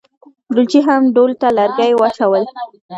ډولچي هم ډول ته لرګي واچول.